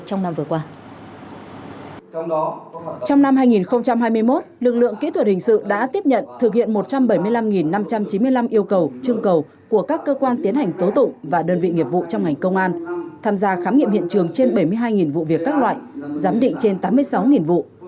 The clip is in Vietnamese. trong năm vừa qua hai mươi một lực lượng kỹ thuật hình sự đã tiếp nhận thực hiện một trăm bảy mươi năm năm trăm chín mươi năm yêu cầu chương cầu của các cơ quan tiến hành tố tụng và đơn vị nghiệp vụ trong ngành công an tham gia khám nghiệm hiện trường trên bảy mươi hai vụ việc các loại giám định trên tám mươi sáu vụ